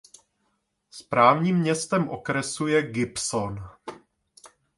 Správním městem okresu je Gibson.